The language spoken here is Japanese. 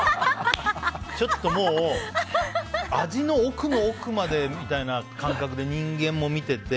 ちょっともう味の奥の奥までみたいな感覚で人間も見てて。